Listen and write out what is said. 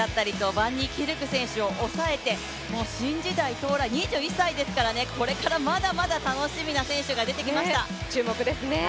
バンニーキルク選手を抑えて、新時代到来、２１歳ですから、これからまだまだ楽しみが選手が出てきました。